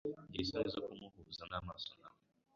Ngira isoni zo kuzahuza amaso na we